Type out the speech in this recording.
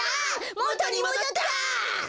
もとにもどった！